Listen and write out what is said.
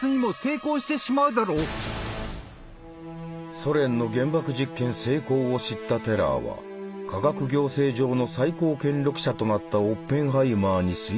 ソ連の原爆実験成功を知ったテラーは科学行政上の最高権力者となったオッペンハイマーに水爆開発を促した。